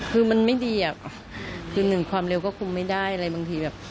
คือมันไม่ดีอ่ะคือหนึ่งความเร็วก็คงไม่ได้อะไรบางทีแบบ